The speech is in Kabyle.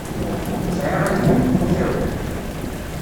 Sɛiɣ aglim yekkaw.